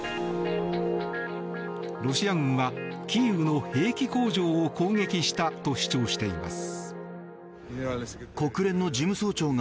ロシア軍はキーウの兵器工場を攻撃したと主張しています。